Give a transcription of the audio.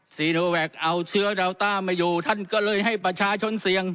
ซีโนแวคเอาเชื้อดาวต้ามาอยู่ท่านก็เลยให้ประชาชนเสี่ยง